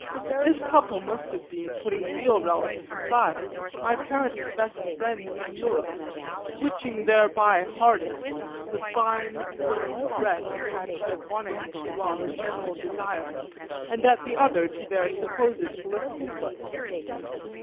This couple must have been, putting real relatives aside, my parents' best friends in Europe, twitching thereby hardest the fine firm thread attached at one end to our general desire and at the other to their supposed felicity.